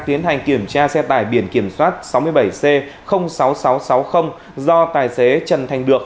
tiến hành kiểm tra xe tải biển kiểm soát sáu mươi bảy c sáu nghìn sáu trăm sáu mươi do tài xế trần thành được